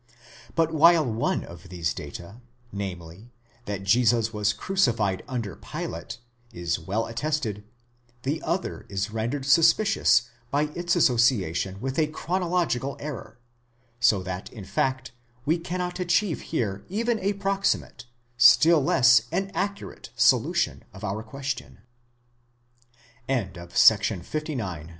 But while one of these data, namely, that Jesus was crucified under Pilate, is well attested, the other is rendered suspicious by its association with a chro nological error, so that in fact we cannot achieve here even a proximate, still less an accurate s